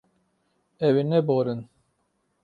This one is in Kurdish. Ew ê neborin.